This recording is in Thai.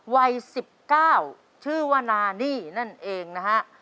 วัย๑๙ชื่อว่านานี่นั่นเองนะฮะ